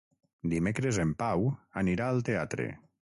Dimecres en Pau anirà al teatre.